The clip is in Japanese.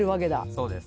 そうです。